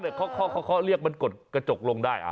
แต่มันน่ารักเขาเรียกมันกดกระจกลงได้